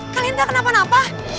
kalian tak kenapa napa